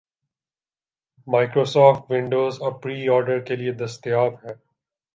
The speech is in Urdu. مائیکروسافٹ ونڈوز اب پری آرڈر کے لیے دستیاب ہے